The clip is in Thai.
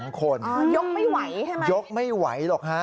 คนยกไม่ไหวใช่ไหมยกไม่ไหวหรอกฮะ